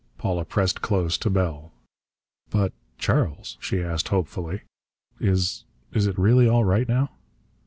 Paula pressed close to Bell. "But Charles," she asked hopefully, "is is it really all right, now?"